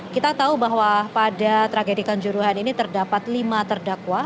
kita tahu bahwa pada tragedikan juruhan ini terdapat lima terdakwa